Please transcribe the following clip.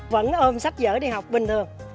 vẫn ôm sách giở đi học bình thường